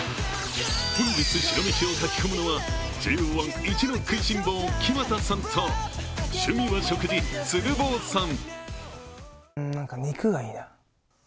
本日、白飯をかきこむのはＪＯ１イチの食いしん坊、木全さんと趣味は食事、鶴房さん。